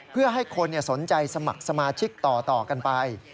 เพื่อให้คนสนใจสมัครสมาชิกต่อกันไป